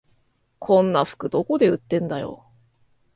こんな服どこで売ってんだよ